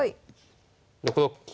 ６六金。